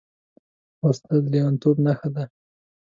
وسله د لېونتوب نښه ده